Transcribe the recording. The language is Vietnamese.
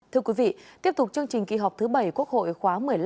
thưa quý vị tiếp tục chương trình kỳ họp thứ bảy quốc hội khóa một mươi năm